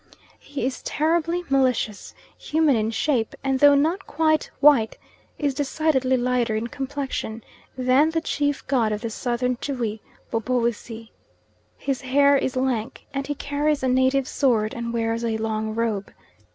He is terribly malicious, human in shape, and though not quite white, is decidedly lighter in complexion than the chief god of the Southern Tschwi, Bobowissi. His hair is lank, and he carries a native sword and wears a long robe.